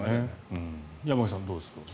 山口さん、どうですか？